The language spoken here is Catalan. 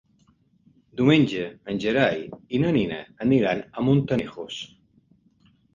Diumenge en Gerai i na Nina aniran a Montanejos.